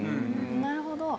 なるほど。